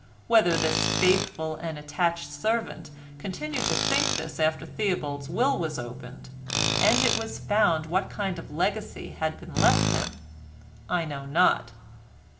Whether this faithful and attached servant continued to think this after Theobald's will was opened and it was found what kind of legacy had been left him I know not.